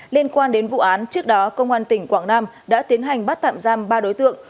liên quan đến vụ án trước đó công an tỉnh quảng nam đã tiến hành bắt tạm giam ba đối tượng